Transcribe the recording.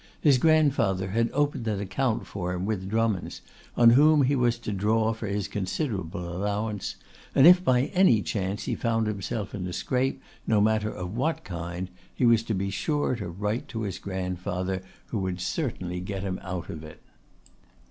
His grandfather had opened an account for him with Drummonds', on whom he was to draw for his considerable allowance; and if by any chance he found himself in a scrape, no matter of what kind, he was to be sure to write to his grandfather, who would certainly get him out of it.